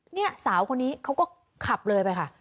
เนี่ยสาวคนนี้เขาก็ขับเลยไปค่ะ